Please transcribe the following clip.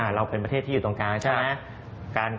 เราเป็นประเทศที่อยู่ตรงกลางใช่ไหม